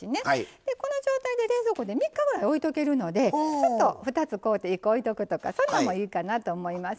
でこの状態で冷蔵庫で３日ぐらいおいとけるのでちょっと２つ買うて１個おいとくとかそんなんもいいかなと思います。